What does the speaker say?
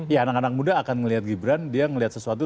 ya anak anak muda akan melihat gibran dia ngelihat sesuatu